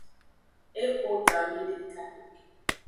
Exo gawideka.